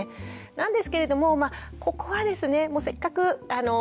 なんですけれどもまあここはですねもうせっかくママのね